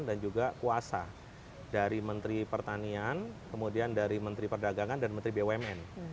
dan juga kuasa dari menteri pertanian kemudian dari menteri perdagangan dan menteri bumn